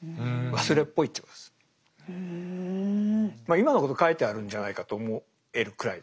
今のこと書いてあるんじゃないかと思えるくらいです。